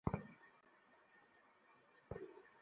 নাহলে সবাই মরবে।